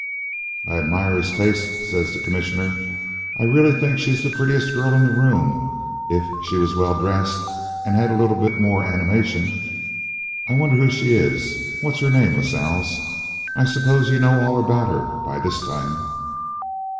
'I admire his taste,' says the Commissioner. 'I really think she's the prettiest girl in the room if she was well dressed and had a little more animation. I wonder who she is? What's her name, Lascelles? I suppose you know all about her by this time.'